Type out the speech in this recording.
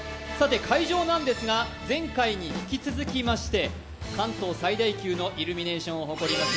会場なんですが、前回に引き続きまして、関東最大級のイルミネーションを誇ります